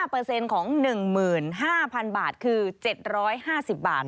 ๕เปอร์เซ็นต์ของ๑๕๐๐๐บาทคือ๗๕๐บาท